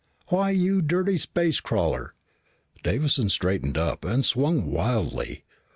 "Why, you dirty space crawler " Davison straightened up and swung wildly.